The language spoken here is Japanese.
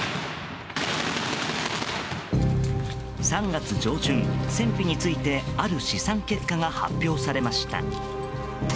３月上旬、戦費についてある試算結果が発表されました。